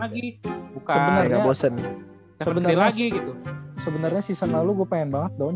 lagi bukan enggak bosen sebenarnya lagi gitu sebenarnya season lalu gue pengen banget daun